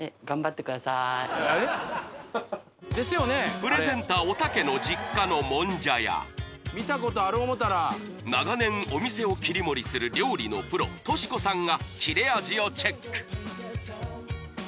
プレゼンターおたけの実家のもんじゃ屋長年お店を切り盛りする料理のプロトシ子さんが切れ味をチェック